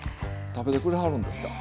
食べてくれはるんですか？